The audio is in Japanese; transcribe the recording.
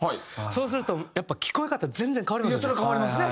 そうするとやっぱ聴こえ方全然変わりますよね。